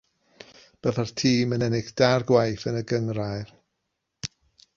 Byddai'r tîm yn ennill dair gwaith yn y gynghrair.